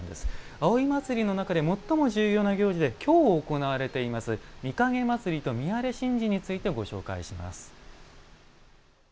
葵祭の中で最も重要な行事で今日、行われています御蔭祭、みあれ神事についてご紹介します。